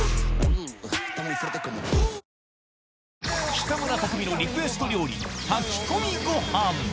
北村匠海のリクエスト料理炊き込みご飯